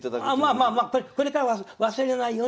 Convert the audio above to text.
まあまあこれからは忘れないように。